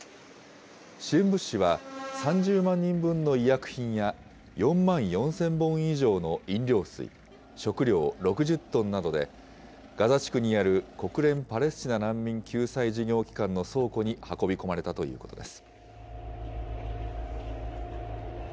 支援物資は、３０万人分の医薬品や、４万４０００本以上の飲料水、食料６０トンなどで、ガザ地区にある国連パレスチナ難民救済事業機関の倉庫に運び込まれたということです。